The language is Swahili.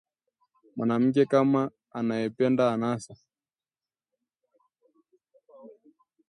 Mwanamke kama anayependa anasa